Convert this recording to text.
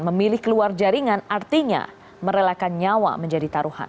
memilih keluar jaringan artinya merelakan nyawa menjadi taruhan